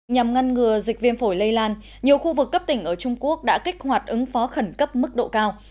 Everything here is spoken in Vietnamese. nhằm ngăn ngừa dịch viêm phổi lây lan nhiều khu vực cấp tỉnh ở trung quốc đã kích hoạt ứng phó khẩn cấp mức độ cao